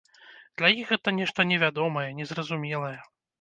Для іх гэта нешта невядомае, незразумелае.